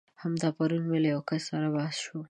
همدا پرون مې له يو کس سره بحث شو.